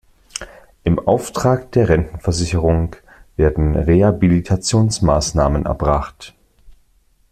Im Auftrag der Rentenversicherung werden Rehabilitationsmaßnahmen erbracht.